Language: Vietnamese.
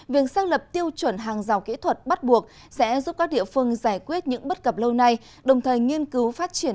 việc xác lập tiêu chuẩn hàng giàu kỹ thuật bắt buộc sẽ giúp các địa phương giải quyết những bất cập lâu nay